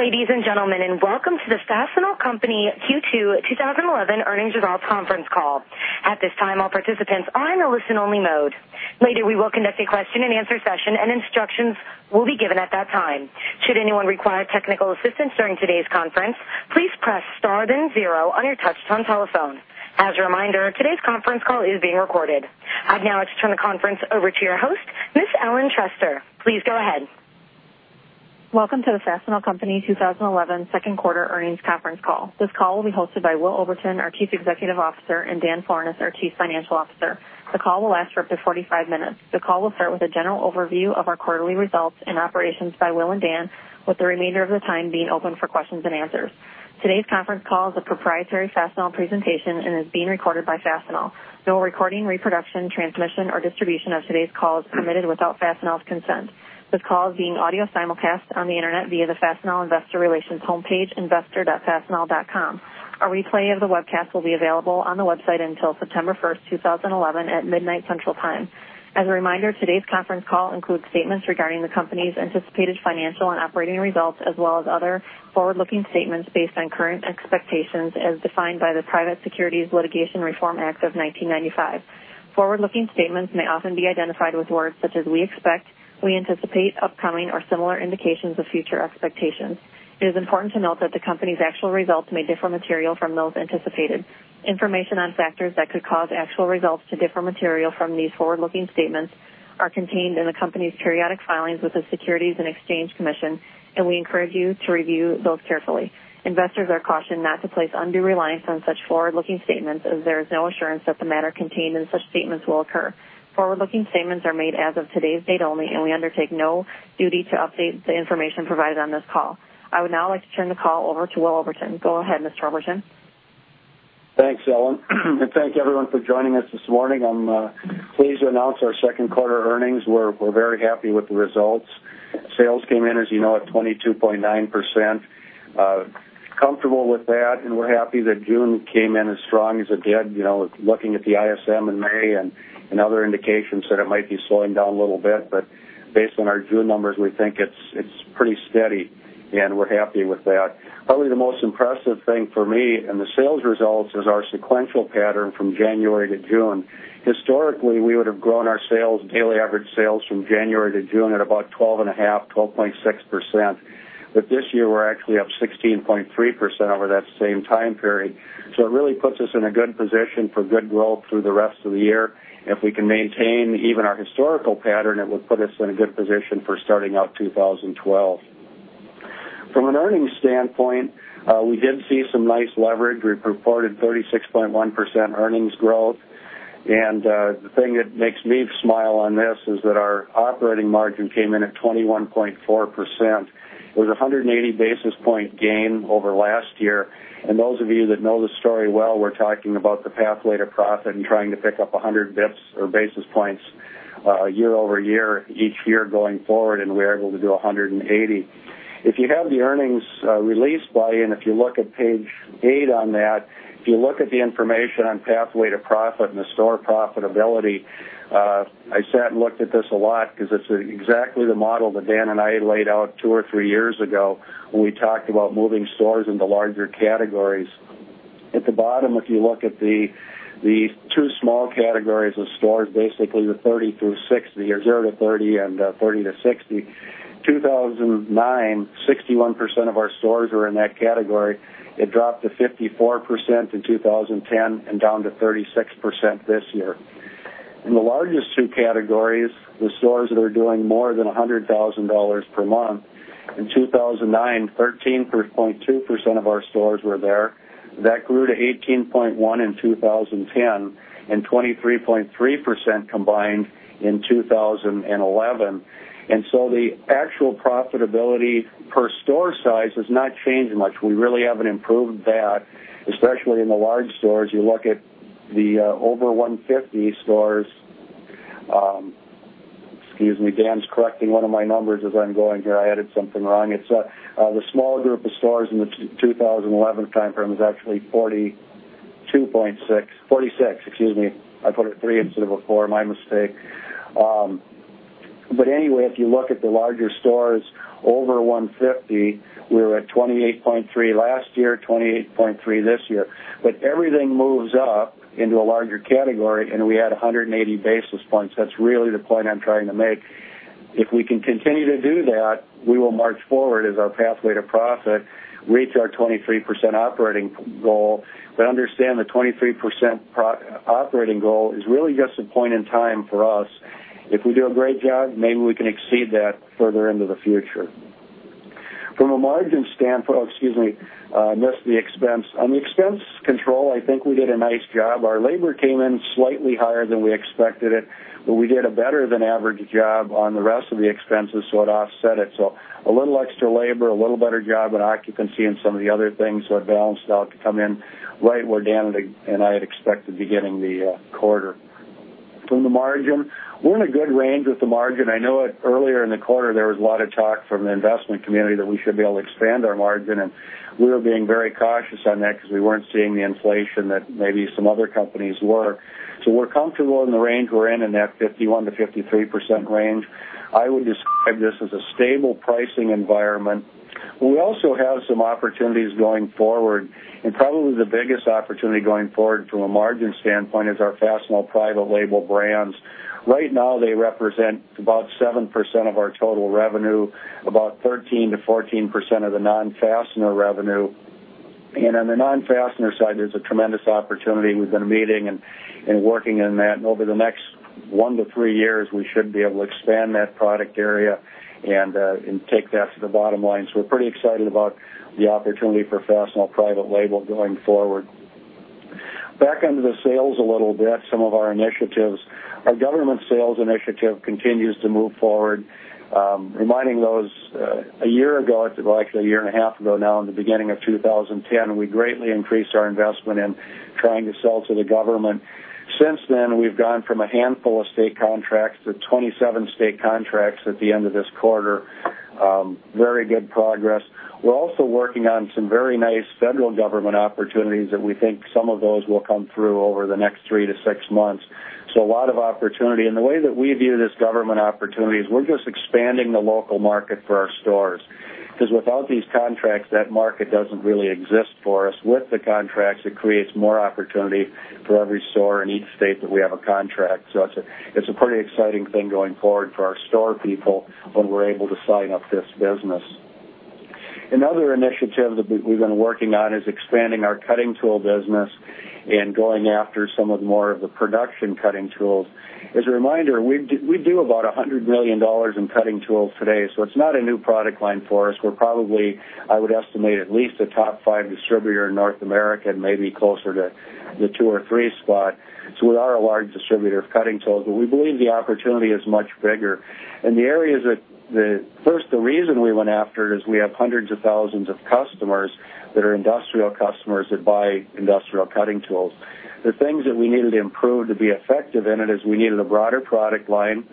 Good day, ladies and gentlemen, and welcome to the Fastenal Company Q2 2011 Earnings Results Conference Call. At this time, all participants are in a listen-only mode. Later, we will conduct a question-and-answer session, and instructions will be given at that time. Should anyone require technical assistance during today's conference, please press Star, then zero on your touch-tone telephone. As a reminder, today's conference call is being recorded. I'm now about to turn the conference over to your host, Ms. Ellen Stolts. Please go ahead. Welcome to the Fastenal Company 2011 Second Quarter Earnings Conference Call. This call will be hosted by Will Oberton, our Chief Executive Officer, and Dan Florness, our Chief Financial Officer. The call will last for up to 45 minutes. The call will start with a general overview of our quarterly results and operations by Will and Dan, with the remainder of the time being open for questions and answers. Today's conference call is a proprietary Fastenal presentation and is being recorded by Fastenal. No recording, reproduction, transmission, or distribution of today's call is permitted without Fastenal's consent. This call is being audio simulcast on the Internet via the Fastenal Investor Relations homepage, investor.fastenal.com. A replay of the webcast will be available on the website until September 1, 2011, at midnight Central Time. As a reminder, today's conference call includes statements regarding the company's anticipated financial and operating results, as well as other forward-looking statements based on current expectations as defined by the Private Securities Litigation Reform Act of 1995. Forward-looking statements may often be identified with words such as "we expect," "we anticipate," "upcoming," or similar indications of future expectations. It is important to note that the company's actual results may differ materially from those anticipated. Information on factors that could cause actual results to differ materially from these forward-looking statements are contained in the company's periodic filings with the Securities and Exchange Commission, and we encourage you to review those carefully. Investors are cautioned not to place undue reliance on such forward-looking statements as there is no assurance that the matters contained in such statements will occur. Forward-looking statements are made as of today's date only, and we undertake no duty to update the information provided on this call. I would now like to turn the call over to Will Oberton. Go ahead, Mr. Oberton. Thanks, Ellen, and thank you, everyone, for joining us this morning. I'm pleased to announce our second quarter earnings. We're very happy with the results. Sales came in, as you know, at 22.9%. Comfortable with that, and we're happy that June came in as strong as it did. Looking at the ISM in May and other indications that it might be slowing down a little bit, but based on our June numbers, we think it's pretty steady, and we're happy with that. Probably the most impressive thing for me in the sales results is our sequential pattern from January to June. Historically, we would have grown our sales, daily average sales, from January to June at about 12.5%, 12.6%, but this year we're actually up 16.3% over that same time period. It really puts us in a good position for good growth through the rest of the year. If we can maintain even our historical pattern, it would put us in a good position for starting out 2012. From an earnings standpoint, we did see some nice leverage. We reported 36.1% earnings growth, and the thing that makes me smile on this is that our operating margin came in at 21.4%. It was a 180 basis point gain over last year, and those of you that know the story well, we're talking about the pathway to profit and trying to pick up 100 basis or basis points year-over-year each year going forward, and we were able to do 180 basis points. If you have the earnings release by, and if you look at page eight on that, if you look at the information on pathway to profit and the store profitability, I sat and looked at this a lot because it's exactly the model that Dan and I laid out two or three years ago when we talked about moving stores into larger categories. At the bottom, if you look at the two small categories of stores, basically the 30%-60%, or 0%-305 and 40%-60%, 2009, 61% of our stores were in that category. It dropped to 54% in 2010 and down to 36% this year. In the largest two categories, the stores that are doing more than $100,000 per month, in 2009, 13.2% of our stores were there. That grew to 18.1% in 2010 and 23.3% combined in 2011. The actual profitability per store size has not changed much. We really haven't improved that, especially in the large stores. You look at the over 150 stores, excuse me, Dan's correcting one of my numbers as I'm going through; I added something wrong, the small group of stores in the 2011 timeframe is actually 42.6%, 46%, excuse me. I put a three instead of a four, my mistake. If you look at the larger stores over 150, we were at 28.3% last year, 28.3% this year. Everything moves up into a larger category, and we add 180 basis points. That's really the point I'm trying to make. If we can continue to do that, we will march forward as our pathway to profit reaches our 23% operating goal, but understand the 23% operating goal is really just a point in time for us. If we do a great job, maybe we can exceed that further into the future. From a margin standpoint, oh, excuse me, I missed the expense. On the expense control, I think we did a nice job. Our labor came in slightly higher than we expected it, but we did a better than average job on the rest of the expenses, so it offset it. A little extra labor, a little better job in occupancy, and some of the other things, so it balanced out to come in right where Dan and I had expected to be getting the quarter. From the margin, we're in a good range with the margin. I know earlier in the quarter there was a lot of talk from the investment community that we should be able to expand our margin, and we were being very cautious on that because we weren't seeing the inflation that maybe some other companies were. We're comfortable in the range we're in, in that 51%-53% range. I would describe this as a stable pricing environment. We also have some opportunities going forward, and probably the biggest opportunity going forward from a margin standpoint is our Fastenal private label brands. Right now, they represent about 7% of our total revenue, about 13%-14% of the non-Fastenal revenue. On the non-Fastenal side, there's a tremendous opportunity. We've been meeting and working on that, and over the next one to three years, we should be able to expand that product area and take that to the bottom line. We're pretty excited about the opportunity for Fastenal private label going forward. Back onto the sales a little bit, some of our initiatives. Our government sales initiative continues to move forward. Reminding those, a year ago, like a year and a half ago now, in the beginning of 2010, we greatly increased our investment in trying to sell to the government. Since then, we've gone from a handful of state contracts to 27 state contracts at the end of this quarter. Very good progress. We're also working on some very nice federal government opportunities that we think some of those will come through over the next three to six months. A lot of opportunity. The way that we view this government opportunity is we're just expanding the local market for our stores because without these contracts, that market doesn't really exist for us. With the contracts, it creates more opportunity for every store in each state that we have a contract. It's a pretty exciting thing going forward for our store people when we're able to sign up this business. Another initiative that we've been working on is expanding our cutting tool business and going after some of the more of the production cutting tools. As a reminder, we do about $100 million in cutting tools today, so it's not a new product line for us. We're probably, I would estimate, at least a top five distributor in North America and maybe closer to the two or three spot. We are a large distributor of cutting tools, but we believe the opportunity is much bigger. The areas that the first, the reason we went after it is we have hundreds of thousands of customers that are industrial customers that buy industrial cutting tools. The things that we needed to improve to be effective in it is we needed a broader product line,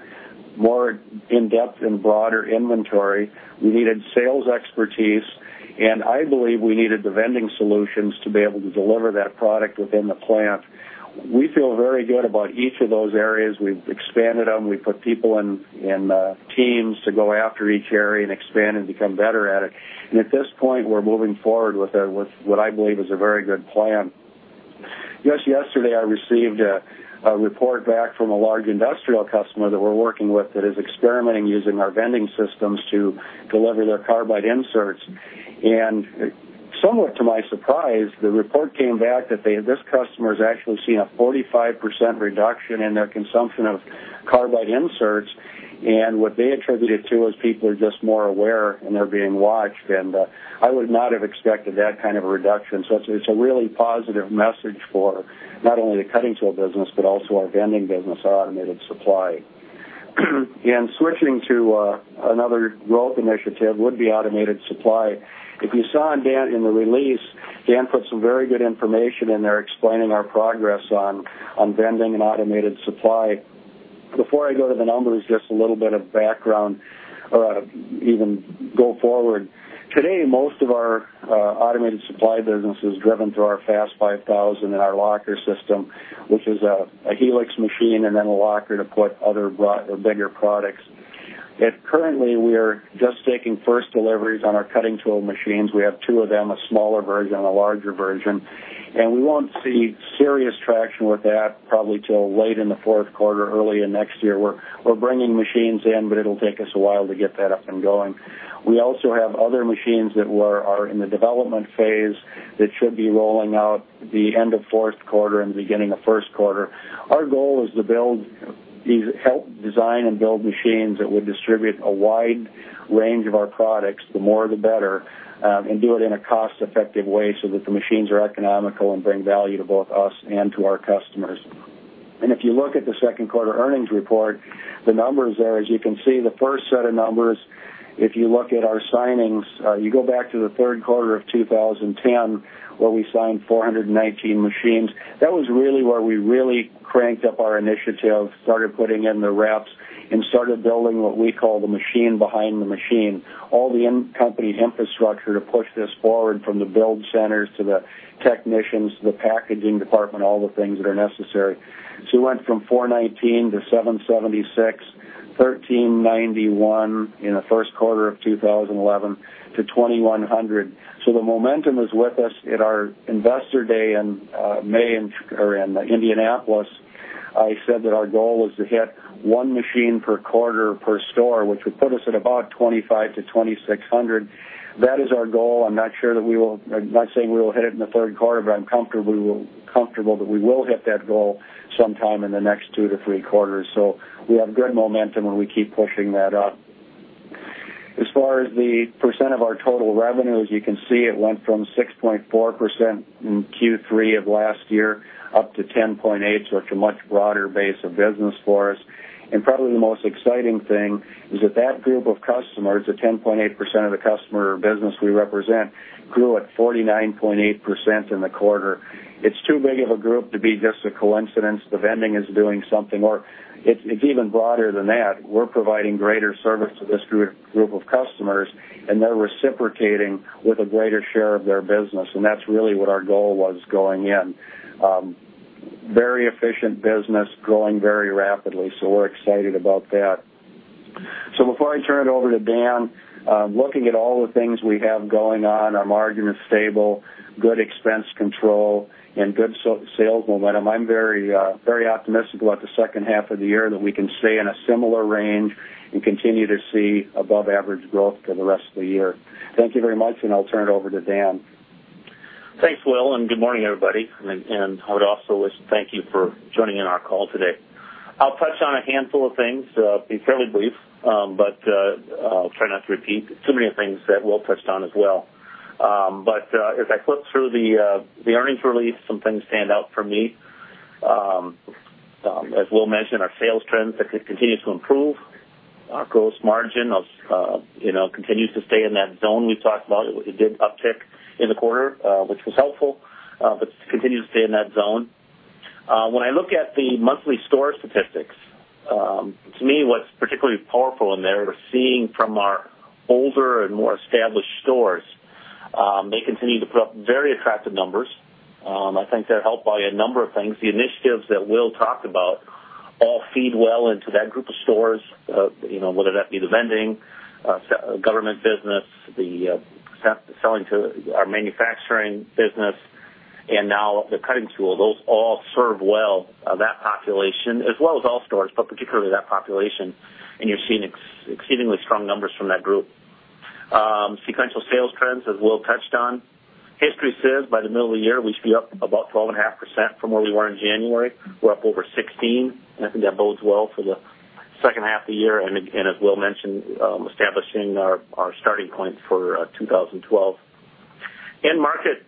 more in-depth and broader inventory. We needed sales expertise, and I believe we needed the vending solutions to be able to deliver that product within the plant. We feel very good about each of those areas. We've expanded them. We put people in teams to go after each area and expand and become better at it. At this point, we're moving forward with what I believe is a very good plan. Just yesterday, I received a report back from a large industrial customer that we're working with that is experimenting using our vending systems to deliver their carbide inserts. Somewhat to my surprise, the report came back that this customer has actually seen a 45% reduction in their consumption of carbide inserts. What they attributed to it was people are just more aware, and they're being watched. I would not have expected that kind of a reduction. It's a really positive message for not only the cutting tool business but also our vending business, automated supply. Switching to another growth initiative would be automated supply. If you saw in the release, Dan put some very good information in there explaining our progress on vending and automated supply. Before I go to the numbers, just a little bit of background or even go forward. Today, most of our automated supply business is driven through our FAST5000 and our locker system, which is a helix machine and then a locker to put other bigger products. Currently, we are just taking first deliveries on our cutting tool machines. We have two of them, a smaller version and a larger version. We won't see serious traction with that probably till late in the fourth quarter, early in next year. We're bringing machines in, but it'll take us a while to get that up and going. We also have other machines that are in the development phase that should be rolling out the end of fourth quarter and beginning of first quarter. Our goal is to build these, help design and build machines that would distribute a wide range of our products, the more the better, and do it in a cost-effective way so that the machines are economical and bring value to both us and to our customers. If you look at the second quarter earnings report, the numbers there, as you can see, the first set of numbers, if you look at our signings, you go back to the third quarter of 2010 where we signed 419 machines. That was really where we really cranked up our initiative, started putting in the reps, and started building what we call the machine behind the machine, all the in-company infrastructure to push this forward from the build centers to the technicians, to the packaging department, all the things that are necessary. We went from 419-776, 1,391 in the first quarter of 2011 to 2,100. The momentum is with us. At our investor day in May in Indianapolis, I said that our goal is to hit one machine per quarter per store, which would put us at about 2,500-2,600. That is our goal. I'm not sure that we will, I'm not saying we will hit it in the third quarter, but I'm comfortable that we will hit that goal sometime in the next two to three quarters. We have good momentum when we keep pushing that up. As far as the percent of our total revenue, as you can see, it went from 6.4% in Q3 of last year up to 10.8%. It's a much broader base of business for us. Probably the most exciting thing is that that group of customers, the 10.8% of the customer or business we represent, grew at 49.8% in the quarter. It's too big of a group to be just a coincidence. The vending is doing something, or it's even broader than that. We're providing greater service to this group of customers, and they're reciprocating with a greater share of their business. That's really what our goal was going in. Very efficient business going very rapidly, so we're excited about that. Before I turn it over to Dan, looking at all the things we have going on, our margin is stable, good expense control, and good sales momentum. I'm very, very optimistic about the second half of the year that we can stay in a similar range and continue to see above-average growth for the rest of the year. Thank you very much, and I'll turn it over to Dan. Thanks, Will, and good morning, everybody. I would also like to thank you for joining in our call today. I'll touch on a handful of things, be fairly brief, but I'll try not to repeat too many of the things that Will touched on as well. As I flip through the earnings release, some things stand out for me. As Will mentioned, our sales trends continue to improve. Our gross margin continues to stay in that zone we talked about. It did uptick in the quarter, which was helpful, but it continues to stay in that zone. When I look at the monthly store statistics, to me, what's particularly powerful in there is seeing from our older and more established stores, they continue to put up very attractive numbers. I think they're helped by a number of things. The initiatives that Will talked about all feed well into that group of stores, whether that be the vending, government business, the selling to our manufacturing business, and now the cutting tool. Those all serve well that population, as well as all stores, but particularly that population. You're seeing exceedingly strong numbers from that group. Sequential sales trends, as Will touched on, history says by the middle of the year, we should be up about 12.5% from where we were in January. We're up over 16%, and I think that bodes well for the second half of the year. As Will mentioned, establishing our starting point for 2012. Market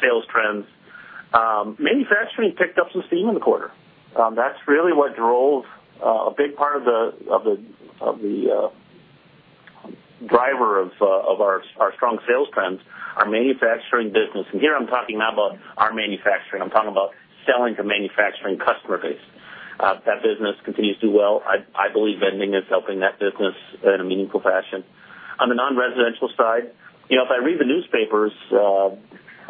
sales trends, manufacturing picked up some steam in the quarter. That's really what drove a big part of the driver of our strong sales trends, our manufacturing business. Here I'm talking not about our manufacturing. I'm talking about selling to manufacturing customer base. That business continues to do well. I believe vending is helping that business in a meaningful fashion. On the non-residential side, if I read the newspapers,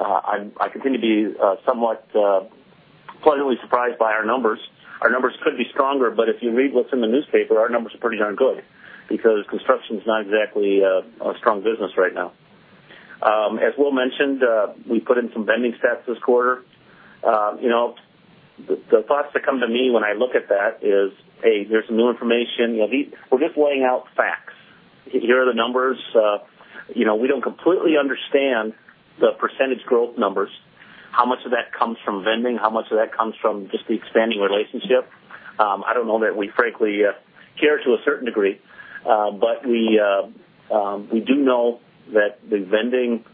I continue to be somewhat pleasantly surprised by our numbers. Our numbers could be stronger, but if you read what's in the newspaper, our numbers are pretty darn good because construction is not exactly a strong business right now. As Will mentioned, we put in some vending stats this quarter. The thoughts that come to me when I look at that is, "Hey, there's some new information." We're just laying out facts. Here are the numbers. You know, we don't completely understand the percentage growth numbers, how much of that comes from vending, how much of that comes from just the expanding relationship. I don't know that we frankly care to a certain degree, but we do know that the vending,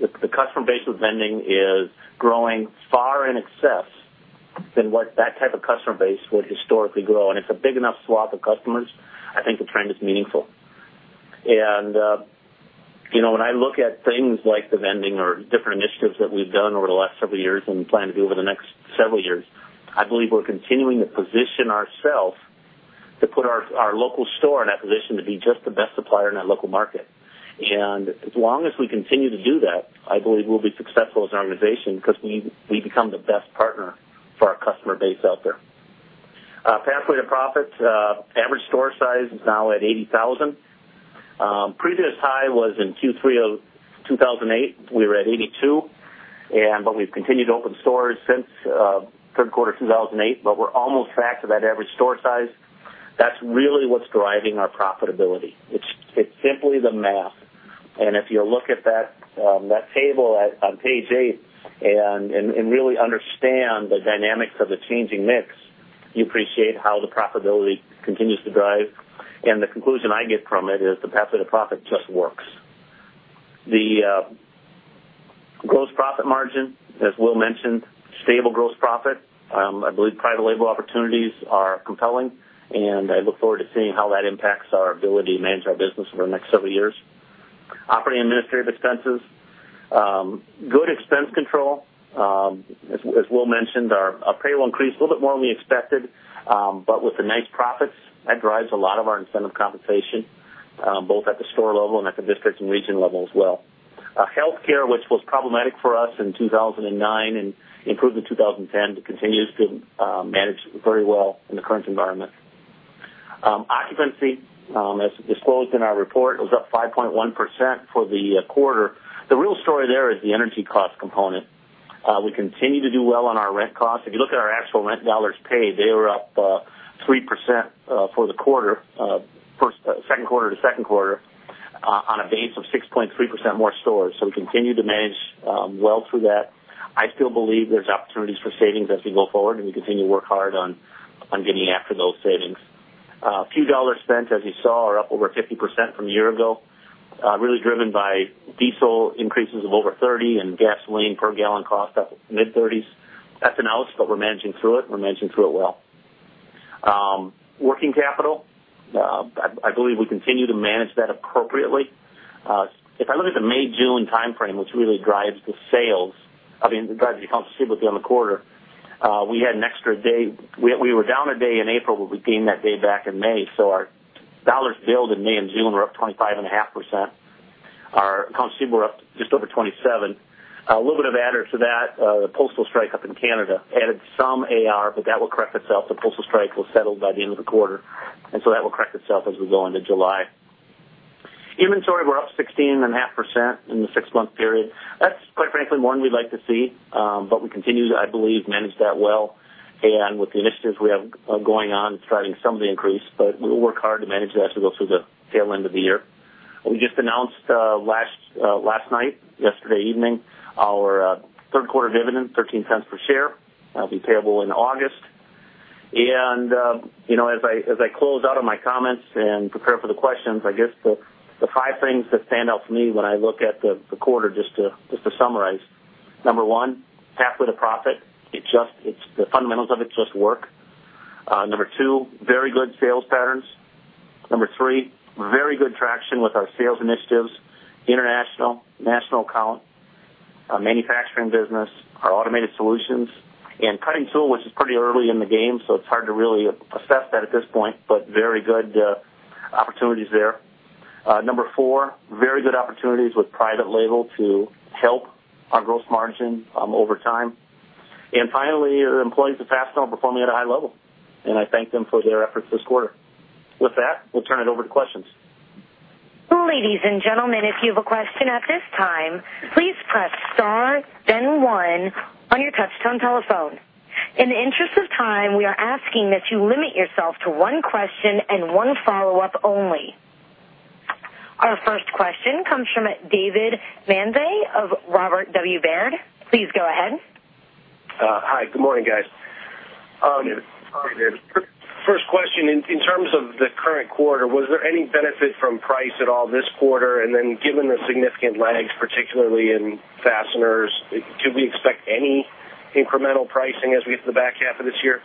the customer base with vending is growing far in excess than what that type of customer base would historically grow. It's a big enough swath of customers. I think the trend is meaningful. When I look at things like the vending or different initiatives that we've done over the last several years and plan to do over the next several years, I believe we're continuing to position ourselves to put our local store in that position to be just the best supplier in that local market. As long as we continue to do that, I believe we'll be successful as an organization because we become the best partner for our customer base out there. Pathway to profit, average store size is now at 80,000. Previous high was in Q3 of 2008. We were at 82,000 and we've continued to open stores since the third quarter of 2008, but we're almost back to that average store size. That's really what's driving our profitability. It's simply the math. If you look at that table on page eight and really understand the dynamics of the changing mix, you appreciate how the profitability continues to drive. The conclusion I get from it is the pathway to profit just works. The gross profit margin, as Will mentioned, stable gross profit. I believe private label opportunities are compelling, and I look forward to seeing how that impacts our ability to manage our business over the next several years. Operating administrative expenses, good expense control. As Will mentioned, our payroll increased a little bit more than we expected, but with the nice profits, that drives a lot of our incentive compensation, both at the store level and at the district and region level as well. Healthcare, which was problematic for us in 2009 and improved in 2010, continues to manage very well in the current environment. Occupancy, as disclosed in our report, it was up 5.1% for the quarter. The real story there is the energy cost component. We continue to do well on our rent costs. If you look at our actual rent dollars paid, they were up 3% for the quarter, first second quarter to second quarter, on a base of 6.3% more stores. We continue to manage well through that. I still believe there's opportunities for savings as we go forward, and we continue to work hard on getting after those savings. A few dollars spent, as you saw, are up over 50% from a year ago, really driven by diesel increases of over 30% and gasoline per gallon cost up mid-30%. That's an ouch, but we're managing through it. We're managing through it well. Working capital, I believe we continue to manage that appropriately. If I look at the May-June timeframe, which really drives the sales, I mean, it drives the accounts receivable on the quarter. We had an extra day. We were down a day in April, but we gained that day back in May. Our dollars billed in May and June were up 25.5%. Our accounts receivable were up just over 27%. A little bit of added to that, the postal strike up in Canada added some AR, but that will correct itself. The postal strike will settle by the end of the quarter, and that will correct itself as we go into July. Inventory, we're up 16.5% in the six-month period. That's, quite frankly, one we'd like to see, but we continue to, I believe, manage that well. With the initiatives we have going on, it's driving some of the increase, but we'll work hard to manage that as we go through the tail end of the year. We just announced last night, yesterday evening, our third quarter dividend, $0.13 per share. That'll be payable in August. As I close out on my comments and prepare for the questions, I guess the five things that stand out for me when I look at the quarter, just to summarize. Number one, pathway to profit. It's the fundamentals of it just work. Number two, very good sales patterns. Number three, very good traction with our sales initiatives, international, national account, manufacturing business, our automated solutions, and cutting tool, which is pretty early in the game. It's hard to really assess that at this point, but very good opportunities there. Number four, very good opportunities with private label to help our gross margin over time. Finally, your employees at Fastenal are performing at a high level, and I thank them for their efforts this quarter. With that, we'll turn it over to questions. Ladies and gentlemen, if you have a question at this time, please press Star, then one on your touch-tone telephone. In the interest of time, we are asking that you limit yourself to one question and one follow-up only. Our first question comes from David Vande of Robert W. Baird. Please go ahead. Hi. Good morning, guys. First question, in terms of the current quarter, was there any benefit from price at all this quarter? Given the significant lags, particularly in fasteners, could we expect any incremental pricing as we hit the back half of this year?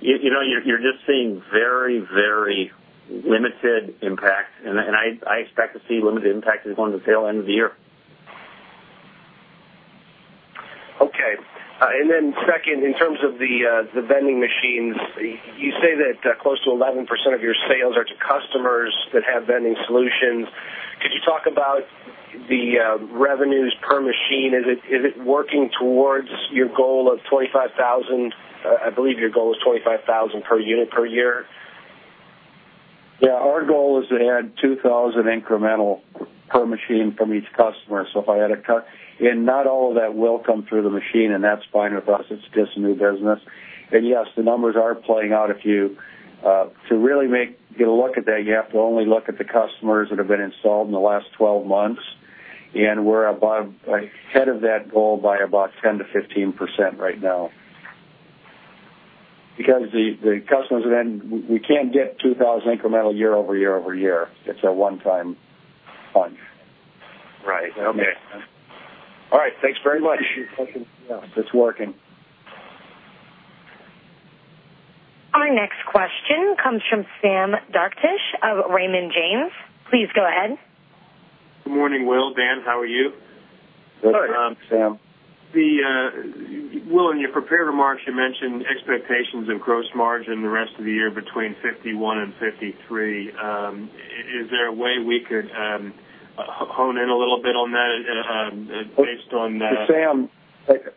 You're just seeing very, very limited impact. I expect to see limited impact as we go into the tail end of the year. Okay. In terms of the vending machines, you say that close to 11% of your sales are to customers that have vending solutions. Could you talk about the revenues per machine? Is it working towards your goal of $25,000? I believe your goal is $25,000 per unit per year. Yeah. Our goal is to add $2,000 incremental per machine from each customer. If I add a ton, and not all of that will come through the machine, that's fine with us. It's just a new business. Yes, the numbers are playing out. If you really look at that, you have to only look at the customers that have been installed in the last 12 months. We're about ahead of that goal by about 10%-15% right now because the customers are then, we can't get $2,000 incremental year-over-year-over-year. It's a one-time punch. Right. Okay. All right. Thanks very much. Yeah, it's working. Our next question comes from Sam Darkatsh of Raymond James. Please go ahead. Good morning, Will. Dan, how are you? Good morning, Sam. Will, in your prepared remarks, you mentioned expectations of gross margin the rest of the year between 51% and 53%. Is there a way we could hone in a little bit on that based on? Sam,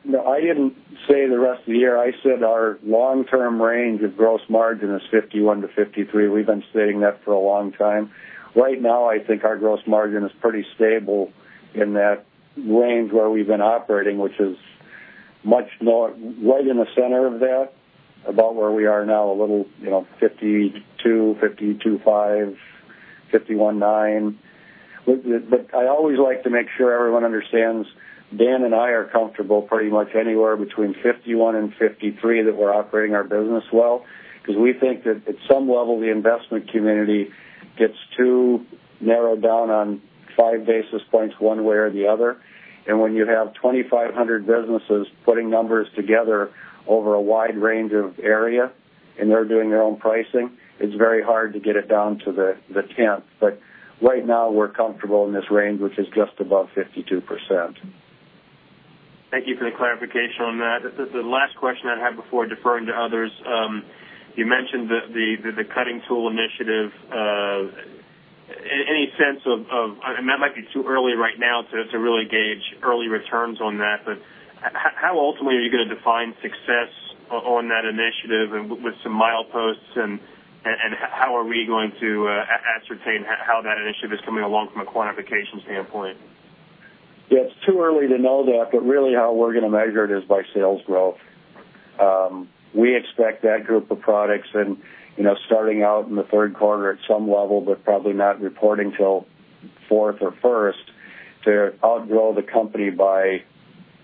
no, I didn't say the rest of the year. I said our long-term range of gross margin is 51%-53%. We've been stating that for a long time. Right now, I think our gross margin is pretty stable in that range where we've been operating, which is much lower right in the center of that, about where we are now, a little, you know, 52%, 52.5%, 51.9%. I always like to make sure everyone understands Dan and I are comfortable pretty much anywhere between 51% and 53% that we're operating our business well because we think that at some level, the investment community gets too narrowed down on 5 basis points one way or the other. When you have 2,500 businesses putting numbers together over a wide range of area and they're doing their own pricing, it's very hard to get it down to the tenth. Right now, we're comfortable in this range, which is just above 52%. Thank you for the clarification on that. The last question I had before deferring to others, you mentioned the cutting tool initiative. Any sense of, and that might be too early right now to really gauge early returns on that, but how ultimately are you going to define success on that initiative with some mileposts? How are we going to ascertain how that initiative is coming along from a quantification standpoint? Yeah. It's too early to know that, but really how we're going to measure it is by sales growth. We expect that group of products, starting out in the third quarter at some level, but probably not reporting till fourth or first, to outgrow the company by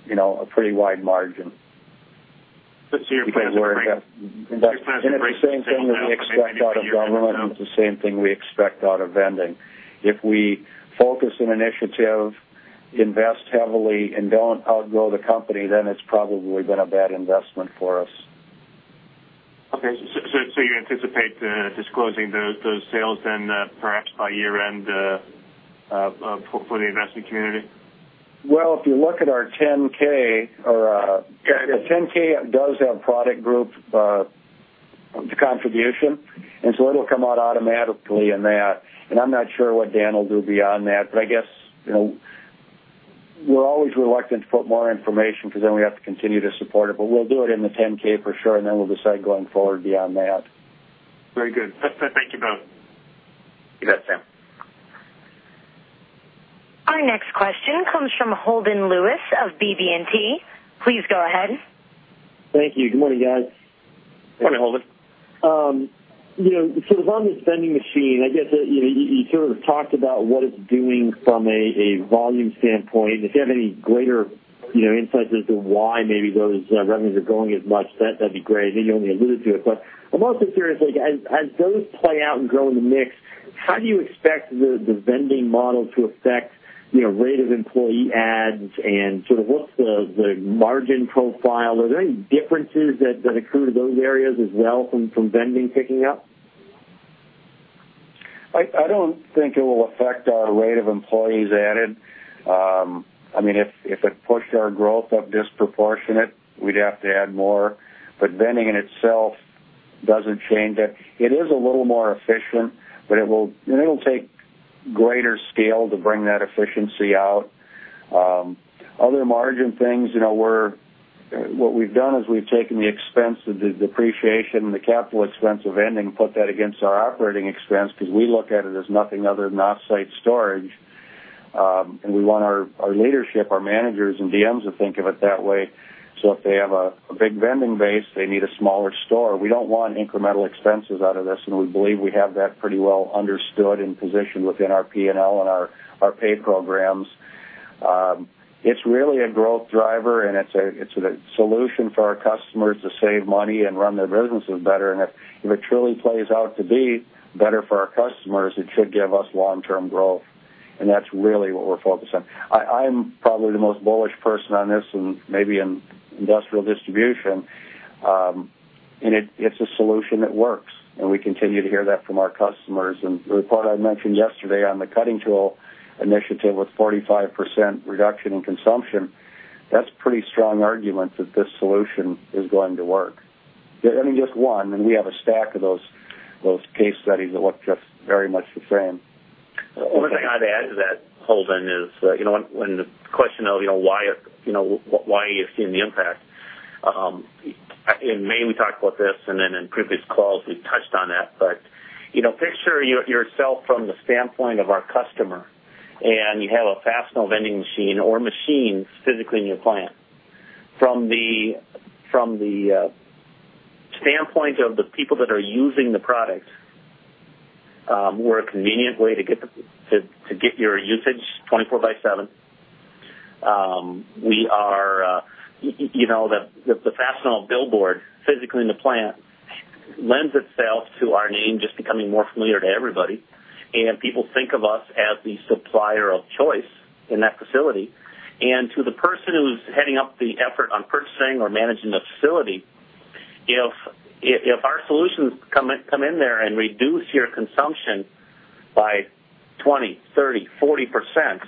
a pretty wide margin. You're saying we're. It is the same thing that we expect out of government. It is the same thing we expect out of vending. If we focus on an initiative, invest heavily, and do not outgrow the company, then it is probably going to be a bad investment for us. Okay, you anticipate disclosing those sales then perhaps by year-end for the investment community? If you look at our 10-K, the 10-K does have a product group contribution, so it'll come out automatically in that. I'm not sure what Dan will do beyond that. I guess we're always reluctant to put more information because then we have to continue to support it. We'll do it in the 10-K for sure, and then we'll decide going forward beyond that. Very good. Thank you both. You bet, Sam. Our next question comes from Holden Lewis of BB&T. Please go ahead. Thank you. Good morning, guys. Morning, Holden. As long as it's a vending machine, you sort of talked about what it's doing from a volume standpoint. If you have any greater insights as to why maybe Will's revenues are going as much, that'd be great. I know you only alluded to it, but I'm also curious, as those play out and grow in the mix, how do you expect the vending model to affect rate of employee ads and sort of what's the margin profile? Are there any differences that occur to those areas as well from vending picking up? I don't think it will affect our rate of employees added. I mean, if it pushed our growth up disproportionate, we'd have to add more. Vending in itself doesn't change that. It is a little more efficient, but it will take greater scale to bring that efficiency out. Other margin things, you know, what we've done is we've taken the expense of the depreciation and the capital expense of vending and put that against our operating expense because we look at it as nothing other than offsite storage. We want our leadership, our managers, and DMs to think of it that way. If they have a big vending base, they need a smaller store. We don't want incremental expenses out of this, and we believe we have that pretty well understood and positioned within our P&L and our pay programs. It's really a growth driver, and it's a solution for our customers to save money and run their businesses better. If it truly plays out to be better for our customers, it should give us long-term growth. That's really what we're focused on. I'm probably the most bullish person on this and maybe in industrial distribution. It's a solution that works, and we continue to hear that from our customers. The report I mentioned yesterday on the cutting tool initiative with 45% reduction in consumption, that's a pretty strong argument that this solution is going to work. I mean, just one, and we have a stack of those case studies that look just very much the same. The only thing I'd add to that, Holden, is, you know, when the question of, you know, why you've seen the impact, in May, we talked about this, and in previous calls, we touched on that. Picture yourself from the standpoint of our customer, and you have a Fastenal vending machine or machines physically in your plant. From the standpoint of the people that are using the product, we're a convenient way to get your usage 24 by 7. We are, you know, the Fastenal billboard physically in the plant lends itself to our name just becoming more familiar to everybody. People think of us as the supplier of choice in that facility. To the person who's heading up the effort on purchasing or managing the facility, if our solutions come in there and reduce your consumption by 20%, 30%, 40%,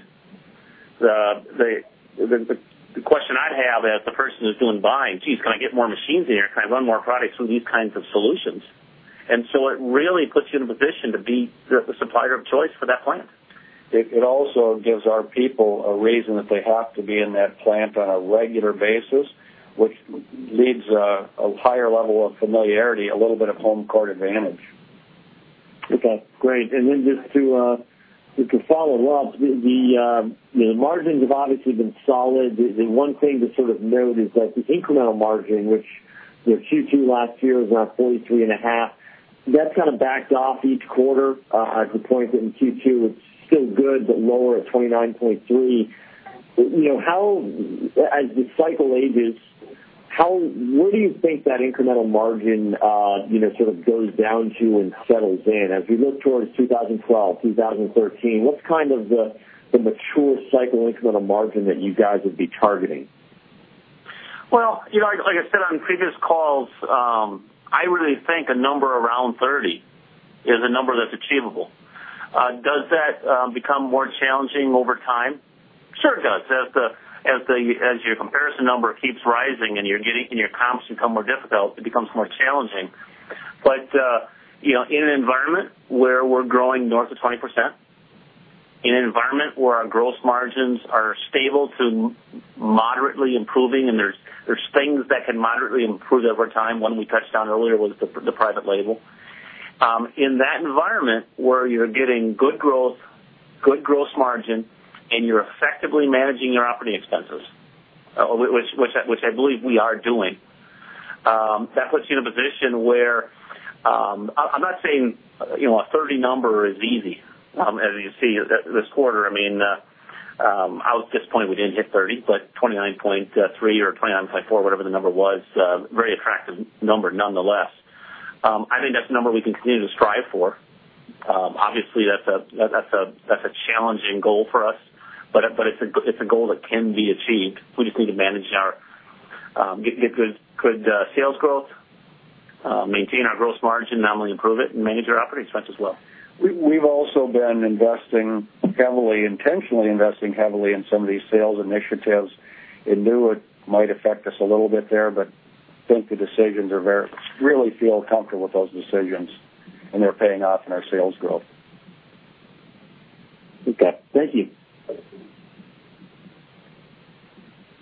the question I'd have as the person who's doing buying, "Geez, can I get more machines in here? Can I run more products from these kinds of solutions?" It really puts you in a position to be the supplier of choice for that plant. It also gives our people a reason that they have to be in that plant on a regular basis, which leads to a higher level of familiarity, a little bit of home court advantage. Okay. Great. Just to follow up, the margins have obviously been solid. The one thing to sort of note is that the incremental margin, which Q2 last year was about 43.5%, has kind of backed off each quarter to the point that in Q2, it's still good, but lower at 29.3%. As the cycle ages, where do you think that incremental margin sort of goes down to and settles in? As we look towards 2012, 2013, what's kind of the mature cycle incremental margin that you guys would be targeting? Like I said on previous calls, I really think a number around 30% is a number that's achievable. Does that become more challenging over time? Sure, it does. As your comparison number keeps rising and your comps become more difficult, it becomes more challenging. In an environment where we're growing north of 20%, in an environment where our gross margins are stable to moderately improving, and there's things that can moderately improve over time, one we touched on earlier with the private label. In that environment where you're getting good growth, good gross margin, and you're effectively managing your operating expenses, which I believe we are doing, that puts you in a position where I'm not saying a 30% number is easy. As you see this quarter, at this point, we didn't hit 30%, but 29.3% or 29.4%, whatever the number was, a very attractive number nonetheless. I think that's a number we can continue to strive for. Obviously, that's a challenging goal for us, but it's a goal that can be achieved. We just need to manage our get good sales growth, maintain our gross margin, not only improve it and manage our operating expense as well. We've also been investing heavily, intentionally investing heavily in some of these sales initiatives. It might affect us a little bit there, but I think the decisions are very, really feel comfortable with those decisions, and they're paying off in our sales growth. Okay, thank you.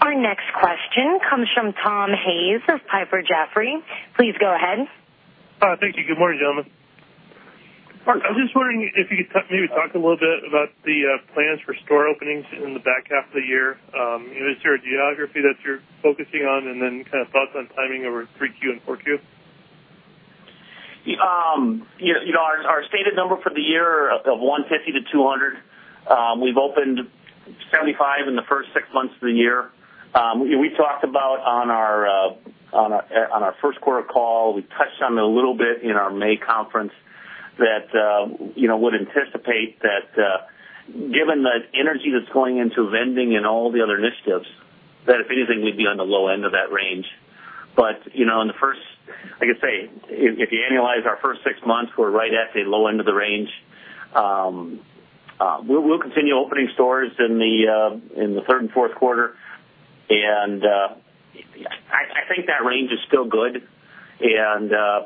Our next question comes from Tom Hayes of Piper Jaffray. Please go ahead. Thank you. Good morning, gentlemen. I'm just wondering if you could maybe talk a little bit about the plans for store openings in the back half of the year. Is there a geography that you're focusing on, and then kind of thoughts on timing over 3Q and 4Q? Our stated number for the year of 150-200. We've opened 75 in the first six months of the year. We talked about on our first quarter call, we touched on it a little bit in our May conference that you know would anticipate that given the energy that's going into vending and all the other initiatives, that if anything, we'd be on the low end of that range. In the first, I could say if you analyze our first six months, we're right at the low end of the range. We'll continue opening stores in the third and fourth quarter. I think that range is still good. We're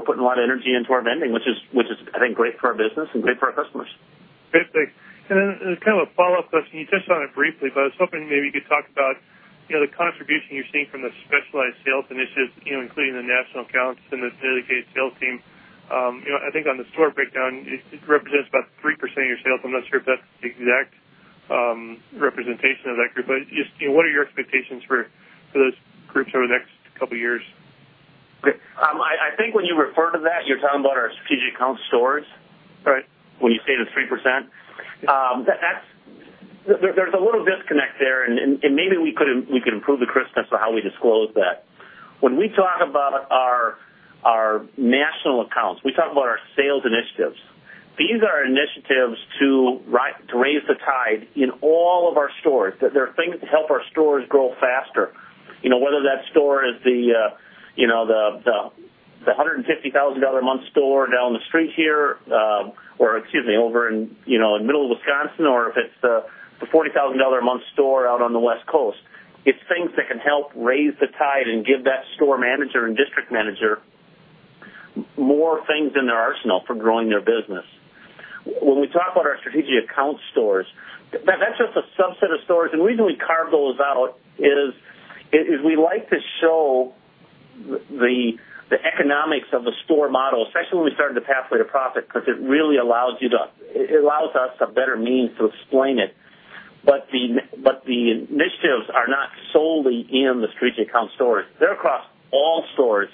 putting a lot of energy into our vending, which is, I think, great for our business and great for our customers. Fantastic. As kind of a follow-up question, you touched on it briefly, but I was hoping maybe you could talk about the contribution you're seeing from the specialized sales initiatives, including the national accounts and the dedicated sales team. I think on the store breakdown, it represents about 3% of your sales. I'm not sure if that's the exact representation of that group, but just what are your expectations for those groups over the next couple of years? I think when you refer to that, you're talking about our strategic account stores. Right. When you say the 3%, there's a little disconnect there, and maybe we could improve the crispness of how we disclose that. When we talk about our national accounts, we talk about our sales initiatives. These are initiatives to raise the tide in all of our stores. They're things to help our stores grow faster, whether that store is the $150,000 a month store down the street here, or, excuse me, over in the middle of Wisconsin, or if it's the $40,000 a month store out on the West Coast. It's things that can help raise the tide and give that store manager and district manager more things in their arsenal for growing their business. When we talk about our strategic account stores, that's just a subset of stores. The reason we carve those out is we like to show the economics of the store model, especially when we started the pathway to profit because it really allows us a better means to explain it. The initiatives are not solely in the strategic account stores. They're across all stores.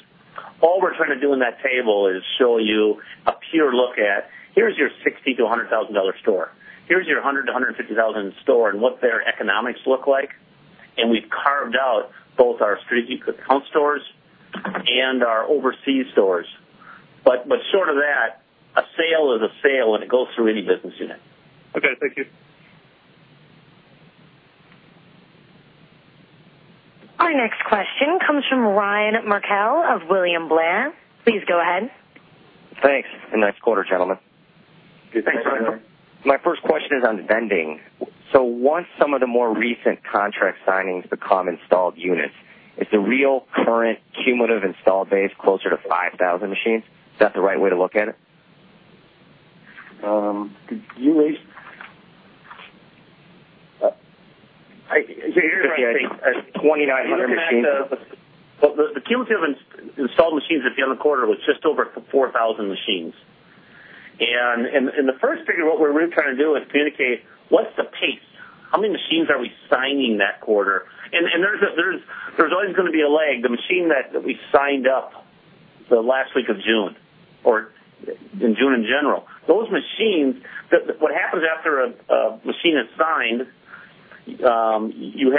All we're trying to do in that table is show you a pure look at, "Here's your $60,00-$100,000 store. Here's your $100,000-$150,000 store, and what their economics look like." We've carved out both our strategic account stores and our overseas stores. Short of that, a sale is a sale, and it goes through any business unit. Okay, thank you. Our next question comes from Ryan Merkel of William Blair. Please go ahead. Thanks. Next quarter, gentlemen. Thanks, Ryan Merkel. My first question is on the vending. Once some of the more recent contract signings become installed units, is the real current cumulative install base closer to 5,000 machines? Is that the right way to look at it? You're right. You're trying to say 2,900 machines. The cumulative installed machines at the end of the quarter was just over 4,000 machines. In the first figure, what we're really trying to do is communicate what's the pace. How many machines are we signing that quarter? There's always going to be a lag. The machine that we signed up the last week of June or in June in general, those machines, what happens after a machine is signed, you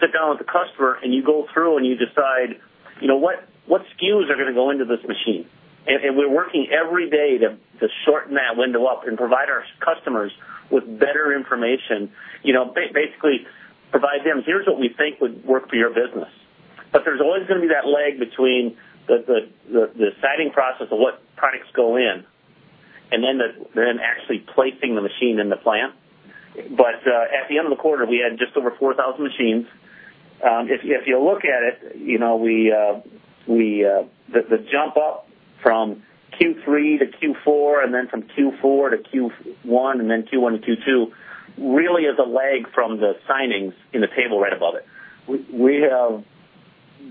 sit down with the customer and you go through and you decide, you know what SKUs are going to go into this machine. We're working every day to shorten that window up and provide our customers with better information. Basically, provide them, "Here's what we think would work for your business." There's always going to be that lag between the signing process of what products go in and then actually placing the machine in the plant. At the end of the quarter, we had just over 4,000 machines. If you look at it, the jump up from Q3-Q4 and then from Q4-Q1 and then Q1-Q2 really is a lag from the signings in the table right above it. We have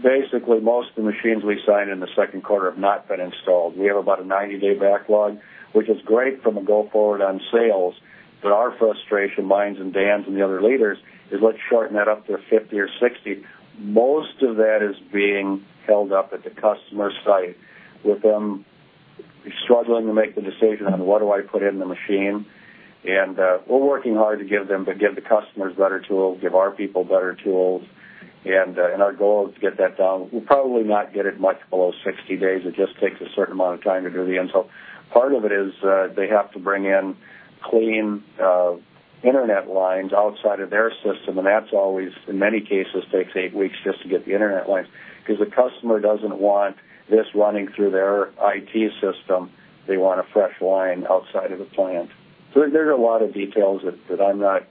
basically most of the machines we signed in the second quarter have not been installed. We have about a 90-day backlog, which is great from a go-forward on sales. Our frustration, mine and Dan's and the other leaders, is let's shorten that up to 50 or 60. Most of that is being held up at the customer site with them struggling to make the decision on what do I put in the machine. We're working hard to give the customers better tools, give our people better tools. Our goal is to get that done. We'll probably not get it much below 60 days. It just takes a certain amount of time to do the intel. Part of it is they have to bring in clean Internet lines outside of their system. That's always, in many cases, takes eight weeks just to get the internet lines because the customer doesn't want this running through their IT system. They want a fresh line outside of the plant. There's a lot of details that I'm not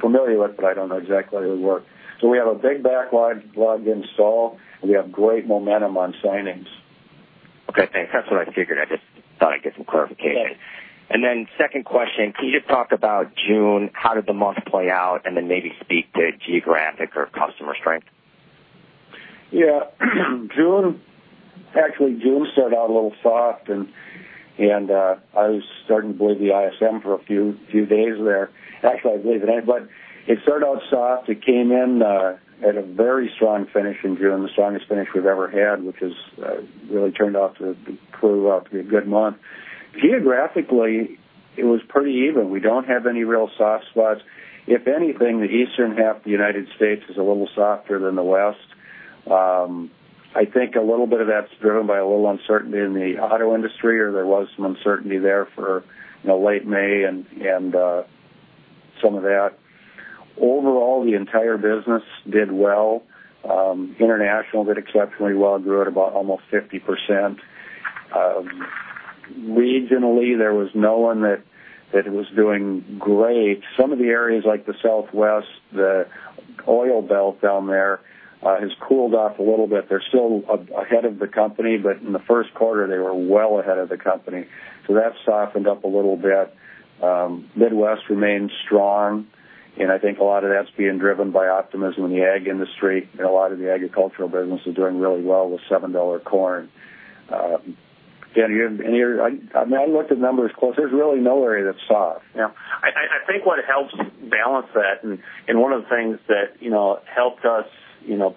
familiar with, but I don't know exactly how they work. We have a big backlog install. We have great momentum on signings. Okay. Thanks. That's what I figured. I just thought I'd get some clarification. Second question, can you just talk about June, how did the month play out, and then maybe speak to geographic or customer strength? Yeah. June, actually, June started out a little soft, and I was starting to believe the ISM for a few days there. Actually, I believe that, but it started out soft. It came in at a very strong finish in June, the strongest finish we've ever had, which has really turned out to clue up a good month. Geographically, it was pretty even. We don't have any real soft spots. If anything, the eastern half of the United States is a little softer than the West. I think a little bit of that's driven by a little uncertainty in the auto industry, or there was some uncertainty there for late May and some of that. Overall, the entire business did well. International did exceptionally well. It grew at about almost 50%. Regionally, there was no one that was doing great. Some of the areas like the Southwest, the oil belt down there has cooled off a little bit. They're still ahead of the company, but in the first quarter, they were well ahead of the company. That softened up a little bit. Midwest remains strong. I think a lot of that's being driven by optimism in the ag industry. A lot of the agricultural business is doing really well with $7 corn. I mean, I looked at numbers close. There's really no area that's soft. Yeah. I think what helps balance that, and one of the things that helped us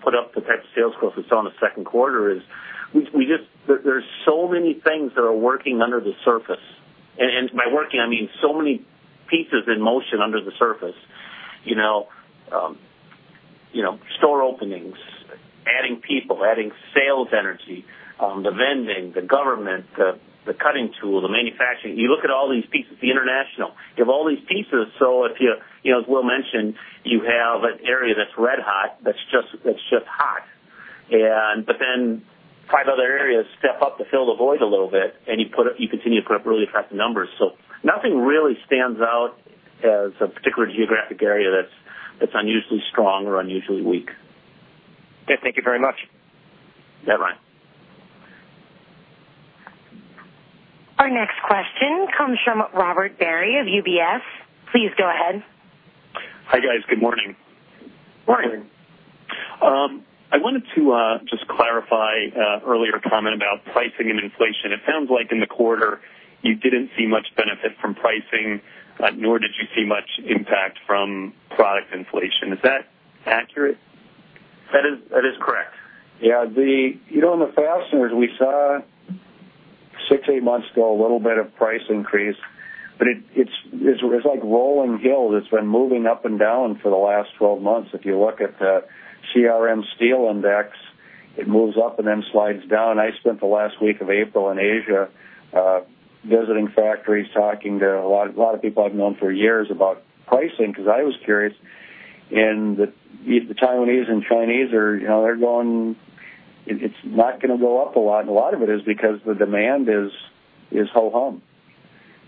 put up the type of sales growth we saw in the second quarter is we just, there's so many things that are working under the surface. By working, I mean so many pieces in motion under the surface. Store openings, adding people, adding sales energy, the vending, the government, the cutting tool, the manufacturing. You look at all these pieces, the international. You have all these pieces. If you, as Will mentioned, you have an area that's red hot, that's just hot, then five other areas step up to fill the void a little bit, and you continue to put up really attractive numbers. Nothing really stands out as a particular geographic area that's unusually strong or unusually weak. Okay, thank you very much. Yeah, Ryan. Our next question comes from Robert Barry of UBS. Please go ahead. Hi, guys. Good morning. Morning. I wanted to just clarify earlier a comment about pricing and inflation. It sounds like in the quarter, you didn't see much benefit from pricing, nor did you see much impact from product inflation. Is that accurate? That is correct. Yeah. You know, in the fasteners, we saw six to eight months ago a little bit of price increase, but it's like rolling hills. It's been moving up and down for the last 12 months. If you look at the CRM Steel Index, it moves up and then slides down. I spent the last week of April in Asia visiting factories, talking to a lot of people I've known for years about pricing because I was curious. The Taiwanese and Chinese are, you know, they're going, it's not going to go up a lot. A lot of it is because the demand is ho-hum.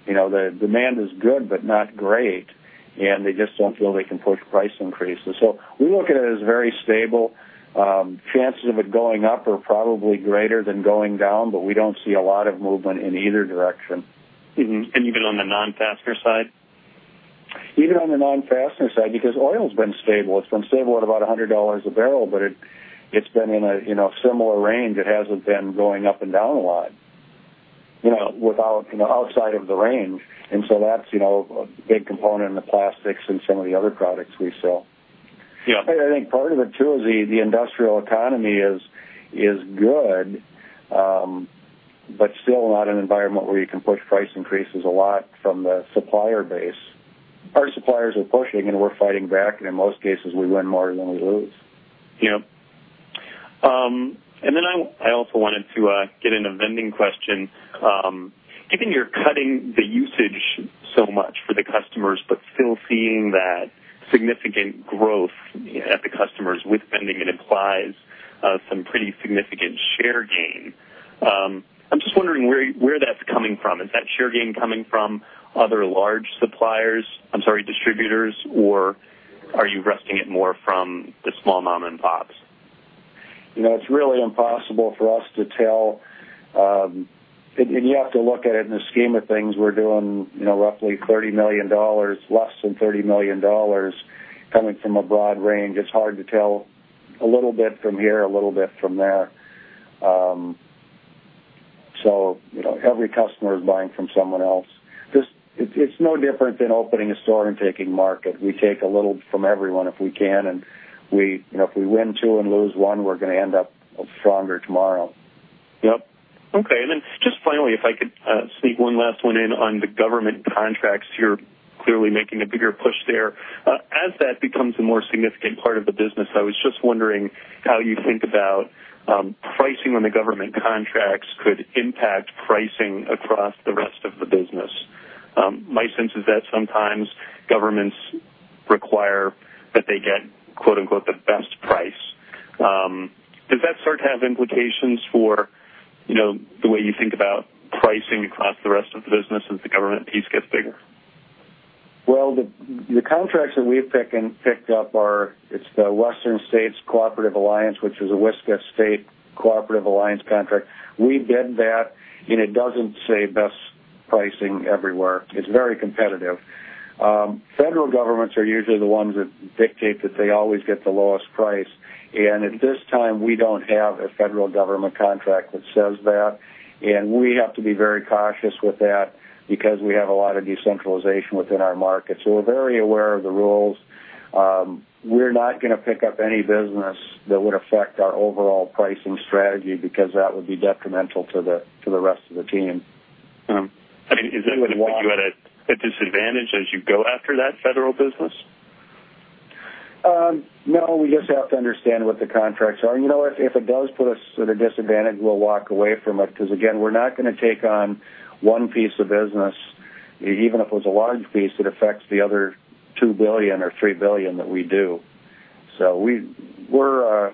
The demand is good, but not great. They just don't feel they can push price increases. We look at it as very stable. Chances of it going up are probably greater than going down, but we don't see a lot of movement in either direction. Even on the non-fastener side? Even on the non-fastener side because oil's been stable. It's been stable at about $100 a b, but it's been in a similar range. It hasn't been going up and down a lot, outside of the range. That's a big component in the plastics and some of the other products we sell. Yeah. I think part of it, too, is the industrial economy is good, but still not an environment where you can push price increases a lot from the supplier base. Our suppliers are pushing, and we're fighting back. In most cases, we win more than we lose. I also wanted to get in a vending question. Given you're cutting the usage so much for the customers, but still seeing that significant growth at the customers with vending, it implies some pretty significant share gain. I'm just wondering where that's coming from. Is that share gain coming from other large suppliers, I'm sorry, distributors, or are you resting it more from the small mom-and-pops? It's really impossible for us to tell. You have to look at it in the scheme of things. We're doing roughly $30 million, less than $30 million coming from a broad range. It's hard to tell, a little bit from here, a little bit from there. Every customer is buying from someone else. It's no different than opening a store and taking market. We take a little from everyone if we can. If we win two and lose one, we're going to end up stronger tomorrow. Okay. Finally, if I could sneak one last one in on the government contracts, you're clearly making a bigger push there. As that becomes a more significant part of the business, I was just wondering how you think about pricing on the government contracts could impact pricing across the rest of the business. My sense is that sometimes governments require that they get, quote-unquote, "the best price." Does that start to have implications for the way you think about pricing across the rest of the business as the government piece gets bigger? The contracts that we've picked up are, it's the Western States Cooperative Alliance, which is a Wisconsin State Cooperative Alliance contract. We bid that, and it doesn't say best pricing everywhere. It's very competitive. Federal governments are usually the ones that dictate that they always get the lowest price. At this time, we don't have a federal government contract that says that. We have to be very cautious with that because we have a lot of decentralization within our market. We're very aware of the rules. We're not going to pick up any business that would affect our overall pricing strategy because that would be detrimental to the rest of the team. I mean, is that putting you at a disadvantage as you go after that federal business? No. We just have to understand what the contracts are. You know what? If it does put us at a disadvantage, we'll walk away from it because, again, we're not going to take on one piece of business. Even if it was a large piece, it affects the other $2 billion or $3 billion that we do. We're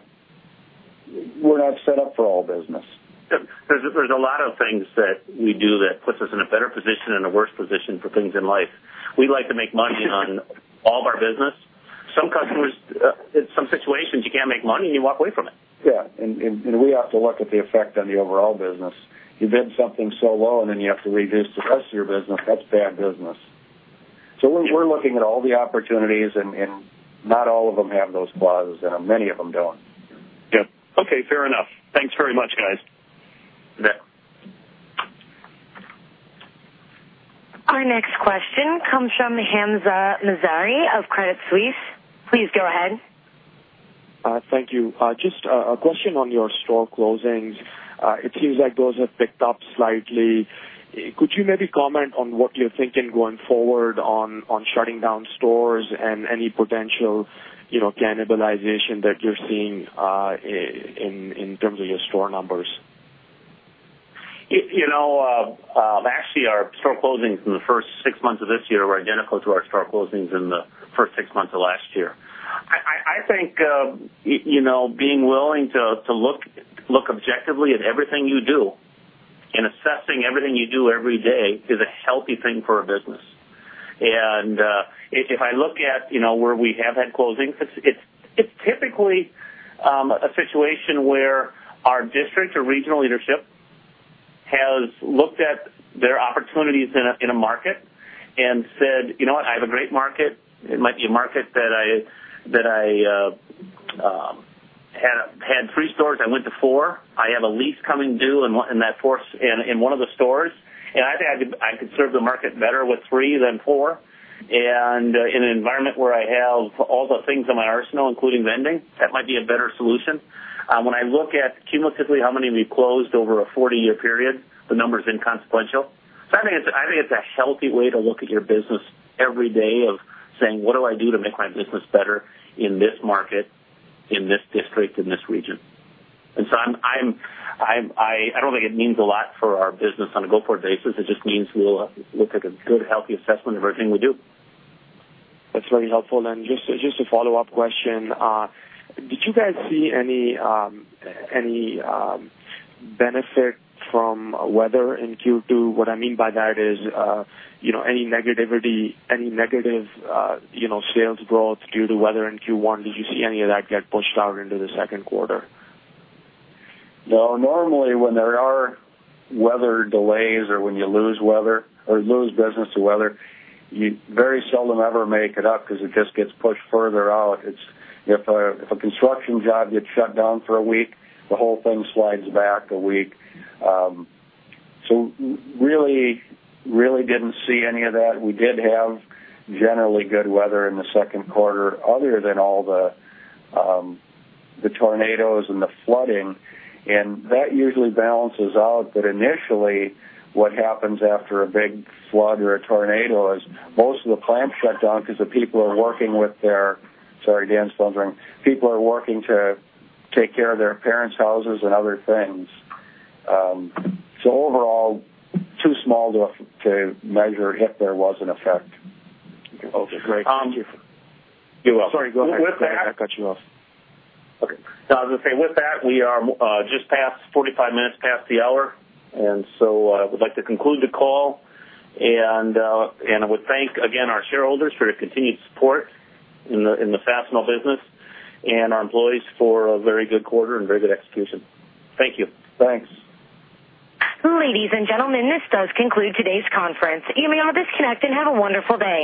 not set up for all business. There's a lot of things that we do that put us in a better position and a worse position for things in life. We like to make money on all of our business. Some customers, in some situations, you can't make money and you walk away from it. We have to look at the effect on the overall business. You bid something so low and then you have to reduce the rest of your business. That's bad business. We're looking at all the opportunities, and not all of them have those buzz, and many of them don't. Yep. Okay. Fair enough. Thanks very much, guys. Our next question comes from Hamza Mazari of Credit Suisse. Please go ahead. Thank you. Just a question on your store closings. It seems like those have picked up slightly. Could you maybe comment on what you're thinking going forward on shutting down stores and any potential cannibalization that you're seeing in terms of your store numbers? Actually, our store closings in the first six months of this year were identical to our store closings in the first six months of last year. I think being willing to look objectively at everything you do and assessing everything you do every day is a healthy thing for a business. If I look at where we have had closings, it's typically a situation where our district or regional leadership has looked at their opportunities in a market and said, "You know what? I have a great market. It might be a market that I had three stores. I went to four. I have a lease coming due in one of the stores. I think I could serve the market better with three than four. In an environment where I have all the things in my arsenal, including vending, that might be a better solution." When I look at cumulatively how many we closed over a 40-year period, the number's inconsequential. I think it's a healthy way to look at your business every day of saying, "What do I do to make my business better in this market, in this district, in this region?" I don't think it means a lot for our business on a go-forward basis. It just means we'll look at a good, healthy assessment of everything we do. That's very helpful. Just a follow-up question. Did you guys see any benefit from weather in Q2? What I mean by that is, any negativity, any negative sales growth due to weather in Q1? Did you see any of that get pushed out into the second quarter? No. Normally, when there are weather delays or when you lose weather or lose business to weather, you very seldom ever make it up because it just gets pushed further out. If a construction job gets shut down for a week, the whole thing slides back a week. Really didn't see any of that. We did have generally good weather in the second quarter other than all the tornadoes and the flooding. That usually balances out. Initially, what happens after a big flood or a tornado is most of the plants shut down because the people are working with their, sorry, Dan's phone's ringing. People are working to take care of their parents' houses and other things. Overall, too small to measure if there was an effect. Okay, great. Thank you. You're welcome. Sorry, go ahead. With that. I got you off. Okay. With that, we are just past 45 minutes past the hour. I would like to conclude the call. I would thank, again, our shareholders for their continued support in the Fastenal business and our employees for a very good quarter and very good execution. Thank you. Thanks. Ladies and gentlemen, this does conclude today's conference. You may all disconnect and have a wonderful day.